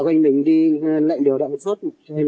mình đi lệnh đều đậm suốt